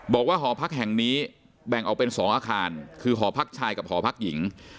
บอกว่าหอพักแห่งนี้แบ่งออกเป็น๒อาคารคือหอพักชายกับหอพักหญิง